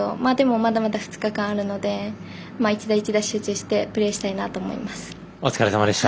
まだまだ２日間あるので１打１打集中してプレーしたいとお疲れさまでした。